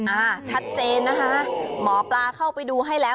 อ่าชัดเจนนะคะหมอปลาเข้าไปดูให้แล้ว